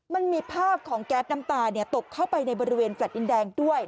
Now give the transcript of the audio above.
มันมีภาพของแก๊สน้ำตาตกเข้าไปในบริเวณแฟลต์ดินแดงด้วย